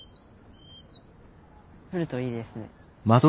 降るといいですね。